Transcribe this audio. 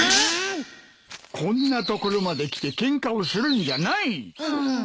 こんな所まで来てケンカをするんじゃない！